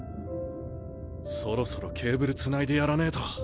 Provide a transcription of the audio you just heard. そろそろケーブルつないでやらねえと。